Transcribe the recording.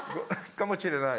・「かもしれない」